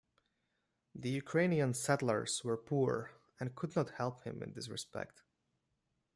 The Ukrainian settlers were poor and could not help him in this respect.